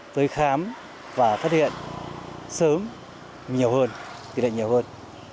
tới khám và phát hiện sớm nhiều hơn tỷ lệ nhiều hơn